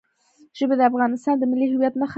ژبې د افغانستان د ملي هویت نښه ده.